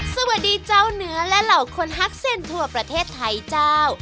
สวัสดีเจ้าเหนือและเหล่าคนฮักเส้นทั่วประเทศไทยเจ้า